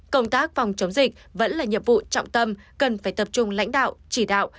công tác phòng chống dịch vẫn là nhiệm vụ trọng tâm cần phải tập trung lãnh đạo chỉ đạo